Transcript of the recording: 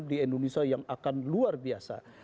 di indonesia yang akan luar biasa